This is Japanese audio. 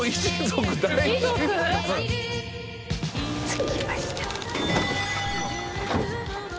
着きました。